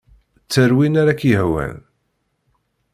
Tter win ay ak-yehwan.